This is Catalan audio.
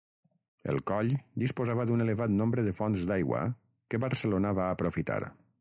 El Coll disposava d'un elevat nombre de fonts d'aigua, que Barcelona va aprofitar.